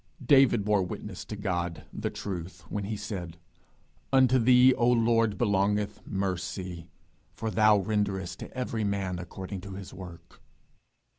David bore witness to God, the Truth, when he said, 'Unto thee, O Lord, belongeth mercy, for thou renderest to every man according to his work.'